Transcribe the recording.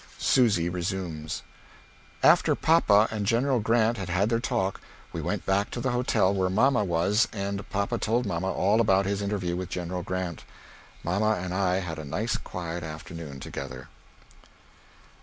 Susy Resumes. After papa and General Grant had had their talk, we went back to the hotel where mamma was, and papa told mamma all about his interview with General Grant. Mamma and I had a nice quiet afternoon together.